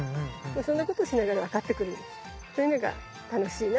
そんなことしながら分かってくるそういうのが楽しいなって思うし。